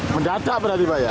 mendadak berarti pak ya